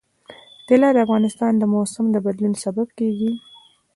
طلا د افغانستان د موسم د بدلون سبب کېږي.